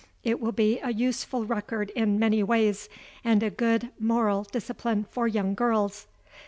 It will be a useful record in many ways, and a good moral discipline for young girls.